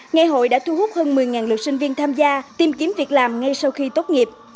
ngày hội đã thu hút hơn một mươi lượt sinh viên tham gia tìm kiếm việc làm ngay sau khi tốt nghiệp